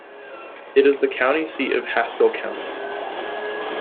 It is the county seat of Haskell County.